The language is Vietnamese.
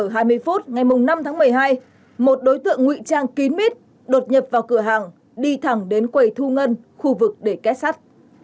khoảng hai mươi phút ngày năm tháng một mươi hai một đối tượng ngụy trang kín mít đột nhập vào cửa hàng đi thẳng đến quầy thu ngân khu vực để kết sắt